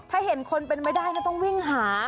ถ้าเห็นคนเป็นไม่ได้นะต้องวิ่งหา